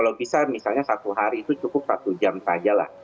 kalau bisa misalnya satu hari itu cukup satu jam saja lah